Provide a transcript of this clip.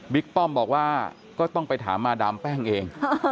ป้อมบอกว่าก็ต้องไปถามมาดามแป้งเอง